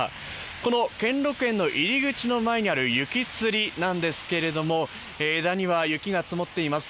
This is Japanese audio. この兼六園の入り口の前にある雪つりなんですけども、枝には雪が積もっています。